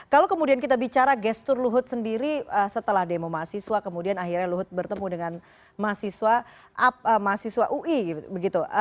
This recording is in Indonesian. kalau kemudian kita bicara gestur luhut sendiri setelah demo mahasiswa kemudian akhirnya luhut bertemu dengan mahasiswa ui begitu